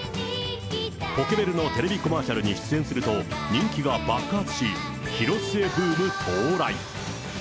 ポケベルのテレビコマーシャルに出演すると、人気が爆発し、ヒロスエブーム到来。